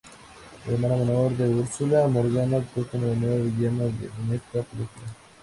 La hermana menor de Úrsula, Morgana, actúa como la nueva villana en esta película.